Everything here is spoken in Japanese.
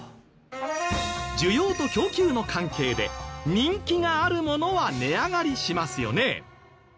需要と供給の関係で人気があるものは値上がりしますよね。